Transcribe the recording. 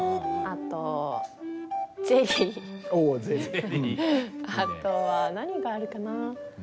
あとは何があるかな？